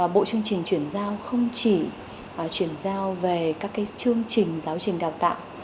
bộ chương trình truyền giao không chỉ truyền giao về các chương trình giáo trình đào tạo